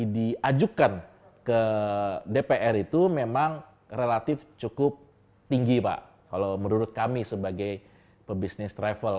diajukan ke dpr itu memang relatif cukup tinggi pak kalau menurut kami sebagai pebisnis travel